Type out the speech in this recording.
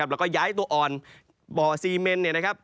แล้วก็ย้ายตัวอ่อนบ่อซีเมน